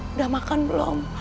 udah makan belum